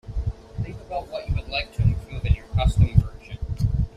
Think about what you would like to improve in your custom version.